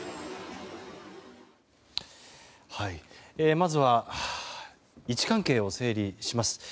まずは位置関係を整理します。